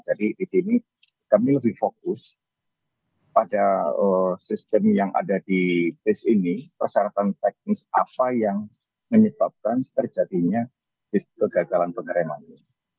jadi di sini kami lebih fokus pada sistem yang ada di base ini persyaratan teknis apa yang menyebabkan terjadinya kegagalan pengeremannya